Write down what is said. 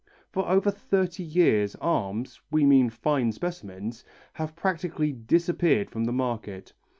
For over thirty years arms, we mean fine specimens, have practically disappeared from the market.